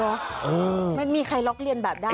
เออไม่มีใครล๊อคเลี่ยนแบบได้